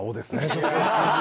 ちょっと次。